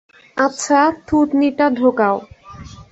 আচ্ছা, থুতনিটা ঢোকাও।